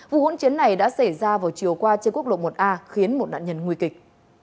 vụ hỗn chiến này đã xảy ra vào chiều qua trên quốc lộ một a khiến một nạn nhân nguy kịch